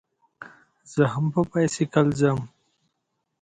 زه هم په بایسکل ځم.